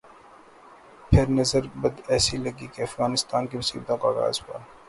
پھر نظر بد ایسی لگی کہ افغانستان کی مصیبتوں کا آغاز ہوا۔